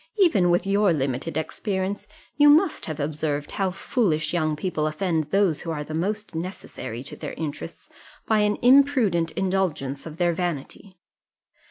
Even with your limited experience, you must have observed how foolish young people offend those who are the most necessary to their interests, by an imprudent indulgence of their vanity.